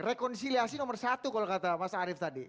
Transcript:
rekonsiliasi nomor satu kalau kata mas arief tadi